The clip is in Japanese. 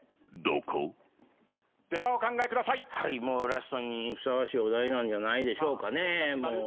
ラストにふさわしいお題なんじゃないでしょうかね。